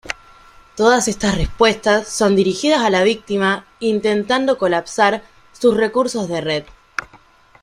Todas estas respuestas son dirigidas a la víctima intentando colapsar sus recursos de red.